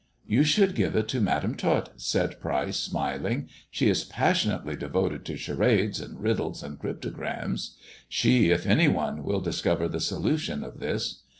" You should give it to Madam Tot," said Pryce, smiling, " she is passionately devoted to charades, and riddles, and cryptograms. She, if any one, will discover the solution of this.